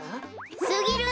すぎる！